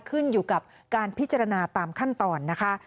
ขึ้นอยู่กับการพิจารณาตามขั้นตอนนะคะ